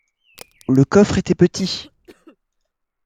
Le coffre était petit.